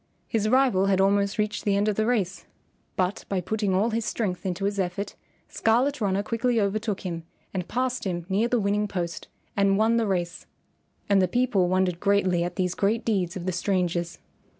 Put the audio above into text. His rival had almost reached the end of the race, but by putting all his strength into his effort, Scarlet Runner quickly over took him and passed him near the winning post and won the race. And the people wondered greatly at these great deeds of the strangers.